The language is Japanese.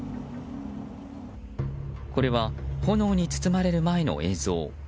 これは、炎に包まれる前の映像。